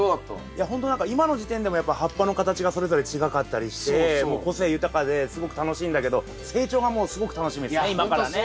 いやほんと何か今の時点でもやっぱ葉っぱの形がそれぞれ違かったりして個性豊かですごく楽しいんだけど成長がもうすごく楽しみですね